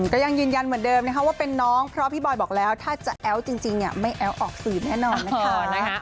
ก็ยังยืนยันเหมือนเดิมนะคะว่าเป็นน้องเพราะพี่บอยบอกแล้วถ้าจะแอ้วจริงไม่แอ้วออกสื่อแน่นอนนะคะ